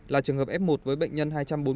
là trường hợp f một với bệnh nhân hai trăm bốn mươi